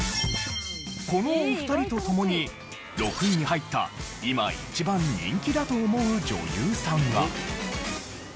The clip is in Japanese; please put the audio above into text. このお二人とともに６位に入った今一番人気だと思う女優さんが。